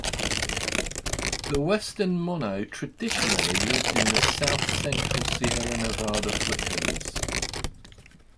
The Western Mono traditionally lived in the south-central Sierra Nevada foothills.